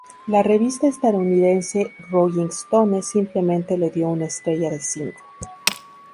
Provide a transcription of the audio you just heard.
La revista estadounidense "Rolling Stone" simplemente le dio una estrella de cinco.